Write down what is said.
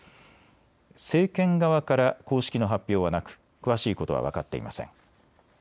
政権側から公式の発表はなく詳しいことは分かっていません。